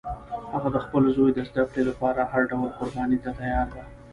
هغه د خپل زوی د زده کړې لپاره هر ډول قربانی ته تیار ده